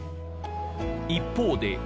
一方で。